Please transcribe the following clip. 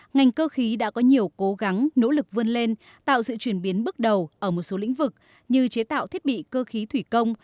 ngành cơ khí đã có nhiều cố gắng nỗ lực vươn lên tạo sự chuyển biến bước đầu ở một số lĩnh vực như chế tạo thiết bị cơ khí thủy công